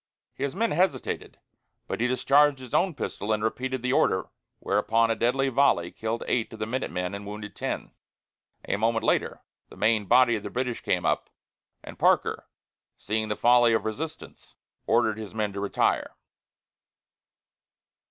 His men hesitated, but he discharged his own pistol and repeated the order, whereupon a deadly volley killed eight of the minute men and wounded ten. A moment later, the main body of the British came up, and Parker, seeing the folly of resistance, ordered his men to retire.